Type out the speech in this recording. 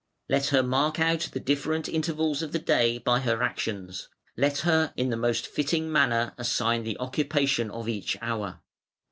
Let her mark out the different intervals of the day by her actions: let her in the most fitting manner assign the occupation of each hour.